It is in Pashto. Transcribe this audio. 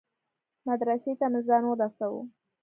مدرسې ته مې ځان ورساوه.